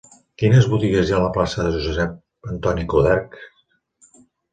Quines botigues hi ha a la plaça de Josep Antoni Coderch?